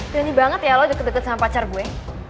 nyanyi banget ya lo deket deket sama pacar gue